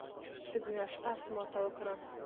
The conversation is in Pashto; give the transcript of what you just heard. ابن اشعث ماته وکړه.